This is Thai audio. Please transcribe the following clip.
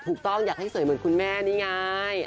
ถูกต้องอยากให้สวยเหมือนคุณแม่นี่ไง